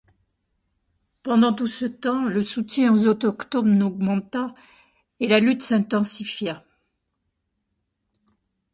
Pendant tout ce temps, le soutien aux Autochtones augmenta et la lutte s'intensifia.